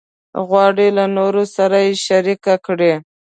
غواړي له نورو سره یې شریک کړي.